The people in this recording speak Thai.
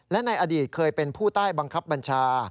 และในอดีตเคยเป็นผู้ใต้บังคับบัญชา